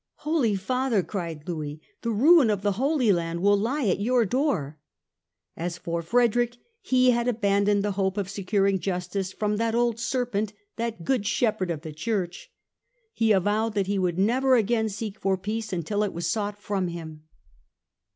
" Holy Father," cried Louis, " the ruin of the Holy Land will lie at your door." As for Frederick, he had abandoned the hope of securing justice from " that old serpent," " that good Shepherd of the Church !" He avowed that he would never again seek for peace until it was sought from him.